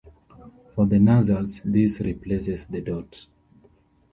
For the nasals, this replaces the dot.